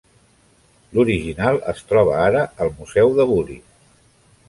L'original es troba ara al museu de Bury.